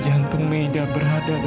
aku mohon padamu